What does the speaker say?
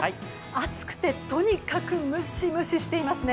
暑くてとにかくムシムシしてますね。